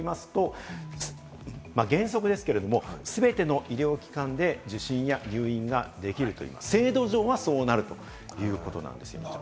これが５類になりますと、原則ですけれども、すべての医療機関で受診や入院ができる、制度上はそうなるということなんです。